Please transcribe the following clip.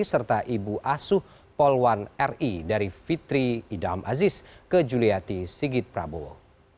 serta ibu asuh polwan ri dari fitri idam aziz ke juliati sigit prabowo